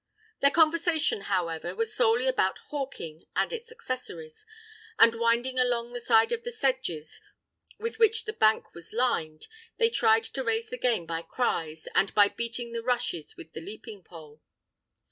Their conversation, however, was solely about hawking and its accessories; and winding along by the side of the sedges with which the bank was lined, they tried to raise the game by cries, and by beating the rushes with the leaping pole.